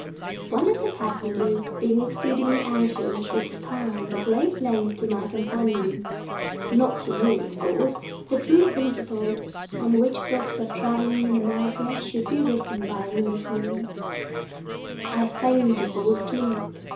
One of the passengers being exceedingly anxious to expound at great length to my companion (not to me, of course) the true principles on which books of travel in America should be written by Englishmen, I feigned to fall asleep.